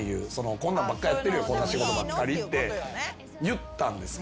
こんなんばっかやってるよこんな仕事ばっかりって言ったんですけど。